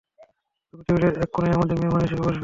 তুমি টেবিলের এক কোণায় আমাদের মেহমান হিসেবে বসবে!